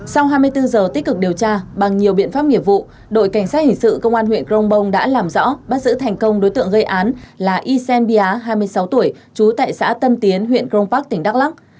sau hai mươi bốn h tích cực điều tra bằng nhiều biện pháp nghiệp vụ đội cảnh sát hình sự công an huyện grongbong đã làm rõ bắt giữ thành công đối tượng gây án là ysen bia hai mươi sáu tuổi trú tại xã tân tiến huyện grongpak tỉnh đắk lắc